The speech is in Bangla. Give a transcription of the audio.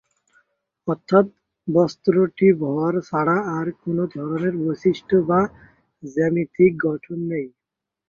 অর্থাৎ বস্তুটি ভর ছাড়া আর কোন ধরনের বৈশিষ্ট্য বা জ্যামিতিক গঠন নেই।